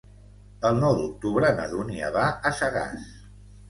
El nou d'octubre na Dúnia va a Sagàs.